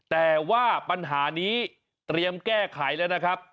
แต่ว่าปัญหานี้เตรียมแก้ไขแล้วนะครับ